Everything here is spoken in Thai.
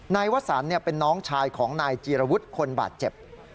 นายวสันเป็นน้องชายของนายจีรวุฒิคนบาดเจ็บ